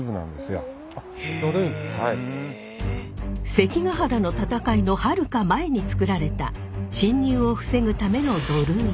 関ケ原の戦いのはるか前に作られた侵入を防ぐための土塁。